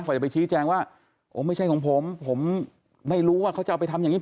จะไปชี้แจงว่าโอ้ไม่ใช่ของผมผมไม่รู้ว่าเขาจะเอาไปทำอย่างนี้